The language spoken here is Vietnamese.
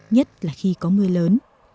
nhất là khi có mưa lớn